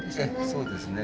そうですね。